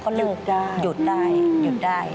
ขอบคุณให้คุณเป็นโชคดี